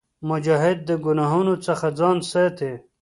مجاهد د ګناهونو څخه ځان ساتي.